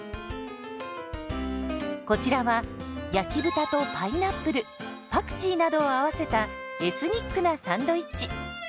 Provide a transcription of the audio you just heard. こちらは焼き豚とパイナップルパクチーなどを合わせたエスニックなサンドイッチ。